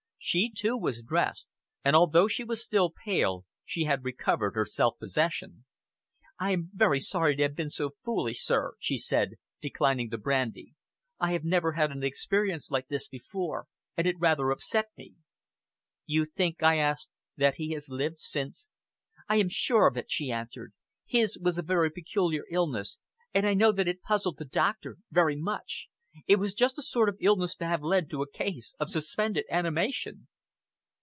She, too, was dressed; and, although she was still pale, she had recovered her self possession. "I am very sorry to have been so foolish, sir," she said, declining the brandy. "I have never had an experience like this before, and it rather upset me." "You think," I asked, "that he has lived, since " "I am sure of it," she answered. "His was a very peculiar illness, and I know that it puzzled the doctor very much. It was just the sort of illness to have led to a case of suspended animation."